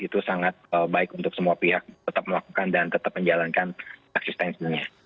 itu sangat baik untuk semua pihak tetap melakukan dan tetap menjalankan eksistensinya